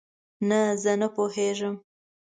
نه، زه نه پوهیږم